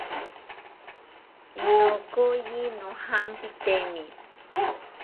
Nokoyi nojampitemi